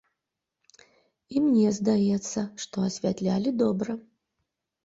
І, мне здаецца, што асвятлялі добра.